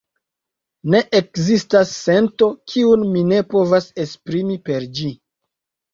Ne ekzistas sento, kiun mi ne povas esprimi per ĝi.